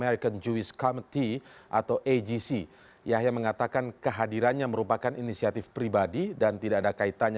retno juga menyampaikan bahwa dia akan menjelaskan keberpihakan indonesia terhadap palestina